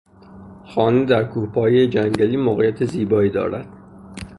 خانه در کوهپایهی جنگلی موقعیت زیبایی دارد.